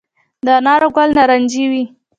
د انارو ګل نارنجي وي؟